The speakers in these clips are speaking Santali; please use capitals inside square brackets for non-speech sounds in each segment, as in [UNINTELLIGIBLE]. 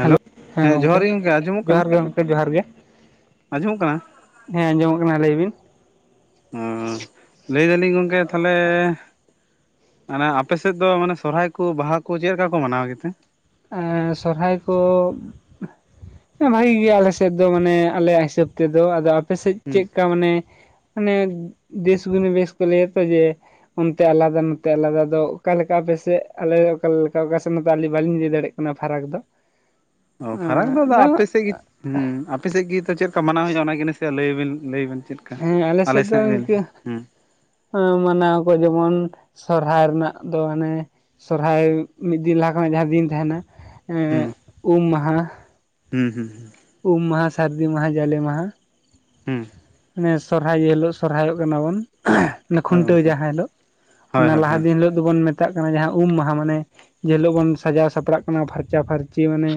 ᱦᱮᱞᱳ ᱦᱮᱸ ᱡᱚᱦᱟᱨ ᱜᱚᱢᱠᱮ ᱜᱮ ᱜᱚᱝᱠᱮ ᱟᱸᱡᱚᱢᱚᱜ ᱠᱟᱱᱟ ᱡᱚᱦᱟᱨ ᱜᱮ ᱜᱚᱢᱠᱮ ᱡᱚᱦᱟᱨ ᱜᱮ ᱟᱸᱡᱚᱢᱚᱜ ᱠᱟᱱᱟ ᱦᱮᱸ ᱟᱸᱡᱚᱢᱚᱜ ᱠᱟᱱᱟ ᱞᱟᱹᱭ ᱵᱤᱱ? ᱟ.... ᱞᱟᱹᱭ ᱫᱟᱞᱤᱧ ᱜᱚᱢᱠᱮ ᱛᱟᱦᱞᱮ ᱢᱟᱱᱮ ᱟᱯᱮᱥᱮᱫ ᱫᱚ ᱢᱟᱱᱮ ᱥᱚᱨᱦᱟᱭ ᱠᱚ ᱵᱟᱦᱟ ᱠᱚ ᱪᱮᱫ ᱞᱮᱠᱟ ᱠᱚ ᱢᱟᱱᱟᱣ ᱜᱮᱛᱮ? ᱟ.... ᱥᱚᱨᱦᱟᱭ ᱠᱚ... ᱵᱷᱟᱜᱮ ᱜᱮᱭᱟ ᱟᱞᱮ ᱥᱮᱫ ᱫᱚ ᱢᱟᱱᱮ ᱟᱞᱮᱭᱟᱜ ᱦᱤᱥᱟᱹᱵ ᱛᱮᱫᱚ ᱟᱫᱚ ᱟᱯᱮ ᱥᱮᱫ ᱦᱩᱸ ᱪᱮᱫᱠᱟ ᱢᱟᱱᱮ... ᱢᱟᱱᱮ ᱫᱮᱥ ᱜᱩᱱᱤ ᱵᱮᱥ ᱠᱚ ᱞᱟᱹᱭ ᱟᱠ ᱢᱮ ᱚᱱᱛᱮ ᱟᱞᱟᱫᱟ ᱱᱚᱛᱮ ᱟᱞᱟᱫᱟ ᱚᱠᱟ ᱞᱮᱠᱟ ᱟᱯᱮᱥᱮᱫ ᱟᱞᱮ ᱚᱠᱟᱮᱠᱟ ᱚᱠᱟ ᱫᱚ ᱟᱞᱤᱧ ᱵᱟᱞᱤᱧ.. ᱫᱟᱲᱮᱭᱟᱜ ᱠᱟᱱᱟ ᱯᱷᱟᱨᱟᱠ ᱫᱚ᱾ ᱚ ᱯᱷᱟᱨᱟᱠ ᱫᱚ ᱟᱫ ᱟᱯᱮ ᱥᱮᱫ ᱜᱮ ᱦᱮᱸ ᱟᱯᱮᱥᱮᱫ ᱜᱮᱛᱚ ᱪᱮᱫ ᱞᱮᱠᱟ ᱢᱟᱱᱟᱣ ᱦᱩᱭᱩᱜᱼᱟ ᱚᱱᱟᱜᱮ ᱱᱟᱥᱮᱭᱟᱜ ᱞᱟᱹᱭᱵᱤᱱ ᱞᱟᱹᱭᱟᱵᱤᱱ ᱪᱮᱫ? ᱞᱮᱠᱟ? ᱦᱮᱸ ᱟᱞᱮ ᱥᱮᱫ ᱫᱚ ᱤᱱᱠᱟᱹ ᱢᱟᱱᱟᱣ ᱠᱚ ᱡᱮᱢᱚᱱ ᱥᱚᱨᱦᱟᱭ ᱨᱮᱱᱟᱜ ᱫᱚ ᱟᱱᱮ ᱥᱚᱨᱦᱟᱭ ᱢᱤᱫ ᱫᱤᱱ ᱞᱟᱦᱟ ᱠᱷᱚᱱᱟᱜ ᱡᱟᱦᱟᱸ ᱫᱤᱱ ᱛᱟᱦᱮᱱᱟ ᱩᱢ ᱢᱟᱦᱟ ᱦᱩᱸ ᱦᱩᱸ ᱦᱩᱸ ᱩᱢ ᱢᱟᱦᱟ ᱥᱟᱹᱨᱫᱤ ᱢᱟᱦᱟ ᱡᱟᱞᱮ ᱢᱟᱦᱟ ᱦᱮᱸ ᱢᱮ ᱥᱚᱨᱦᱟᱭ ᱦᱤᱞᱳᱜ ᱥᱚᱨᱦᱟᱭᱚᱜ ᱠᱟᱱᱟ ᱵᱚᱱ᱾ ᱦᱳᱭ ᱠᱷᱩᱱᱴᱟᱹᱣ ᱜᱚᱝᱠᱮ ᱡᱟᱦᱟᱸ ᱦᱤᱞᱳᱜ ᱦᱳᱭ ᱚᱱᱟ ᱦᱳᱭ ᱞᱟᱦᱟ ᱦᱳᱭ ᱫᱤᱱ ᱦᱤᱞᱳᱜ ᱫᱚᱵᱚᱱ ᱢᱮᱛᱟᱜ ᱠᱟᱱᱟ ᱡᱟᱦᱟᱸ ᱩᱢ ᱢᱟᱦᱟ ᱢᱟᱱᱮ ᱡᱮ ᱦᱤᱞᱳᱜ ᱵᱚᱱ ᱥᱟᱡᱟᱣ ᱥᱟᱯᱲᱟᱜ ᱠᱟᱱᱟ ᱯᱷᱟᱨᱪᱟᱼᱯᱷᱟᱨᱪᱤ ᱢᱟᱱᱮ...